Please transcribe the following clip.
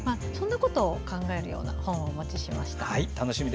そんなことを考えるような本をお持ちしました。